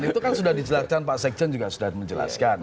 itu kan sudah dijelaskan pak sekjen juga sudah menjelaskan